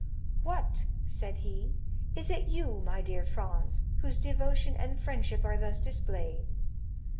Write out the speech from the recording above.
"What," said he, "is it you, my dear Franz, whose devotion and friendship are thus displayed?"